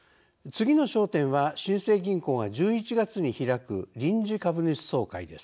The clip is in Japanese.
次の焦点は新生銀行が１１月に開く臨時株主総会です。